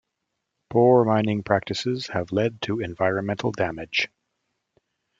Poor mining practices have led to environmental damage.